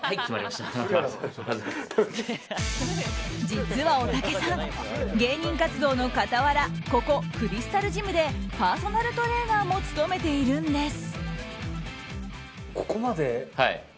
実はおたけさん芸人活動の傍らここクリスタルジムでパーソナルトレーナーも務めているんです。